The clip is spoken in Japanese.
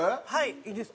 いいですか？